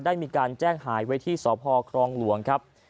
ได้มีการแจ้งหายไว้ที่สพครองหลวงครับ